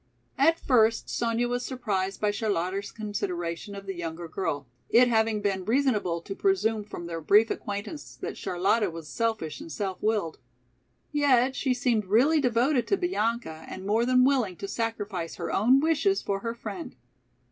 At first Sonya was surprised by Charlotta's consideration of the younger girl, it having been reasonable to presume from their brief acquaintance that Charlotta was selfish and self willed. Yet she seemed really devoted to Bianca and more than willing to sacrifice her own wishes for her friend.